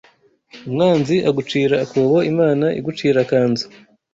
umwanzi agucira akobo Imana igucira akanzu